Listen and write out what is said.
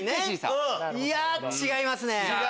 いや違いますね。